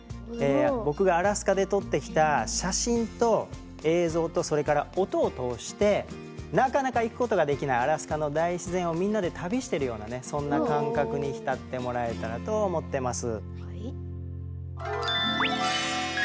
僕がアラスカで撮ってきた写真と映像とそれから音を通してなかなか行くことができないアラスカの大自然をみんなで旅してるようなそんな感覚に浸ってもらえたらと思ってます。